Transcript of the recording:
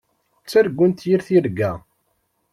Ttargunt yir tirga.